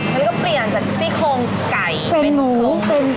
มันก็เปลี่ยนจากซี่โครงไก่เป็นหมูตุ้ม